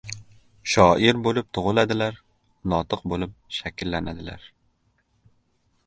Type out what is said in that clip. Shoir bo‘lib tug‘iladilar, notiq bo‘lib shakllanadilar.